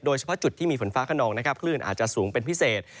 เฉพาะจุดที่มีฝนฟ้าขนองนะครับคลื่นอาจจะสูงเป็นพิเศษ